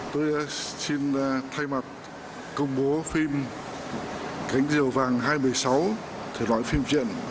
tôi xin thay mặt công bố phim cánh diều vàng hai nghìn một mươi sáu thể loại phim diện